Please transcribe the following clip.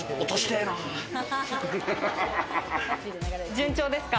順調ですか？